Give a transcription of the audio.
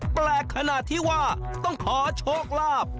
แปลกขนาดที่ว่าต้องขอโชคลาภ